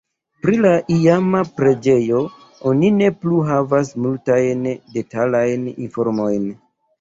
Pri la iama preĝejo oni ne plu havas multajn detalajn informojn.